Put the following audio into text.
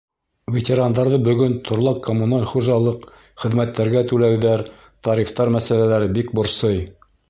— Ветерандарҙы бөгөн торлаҡ-коммуналь хужалыҡ, хеҙмәттәргә түләүҙәр, тарифтар мәсьәләләре бик борсой.